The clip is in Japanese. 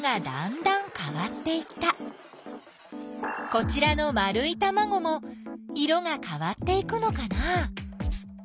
こちらの丸いたまごも色がかわっていくのかな？